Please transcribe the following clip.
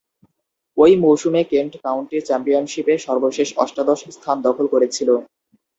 ঐ মৌসুমে Kent county চ্যাম্পিয়নশীপে সর্বশেষ অষ্টাদশ স্থান দখল করেছিল।